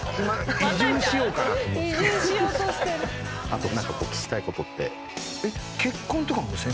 あと何か聞きたいことって？